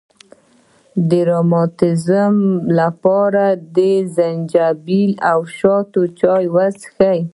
د روماتیزم لپاره د زنجبیل او شاتو چای وڅښئ